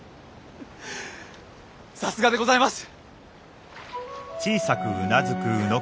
さすがでございます！